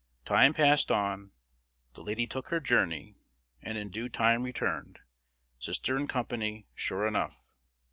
Time passed on, the lady took her journey, and in due time returned, sister in company, sure enough.